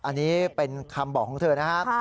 อันนี้เป็นคำบอกของเธอนะครับ